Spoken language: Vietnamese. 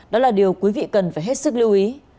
đó là điều quý vị cần phải hết sức lưu ý